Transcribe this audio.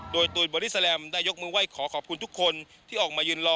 โดยตูนบอดี้แลมได้ยกมือไหว้ขอขอบคุณทุกคนที่ออกมายืนรอ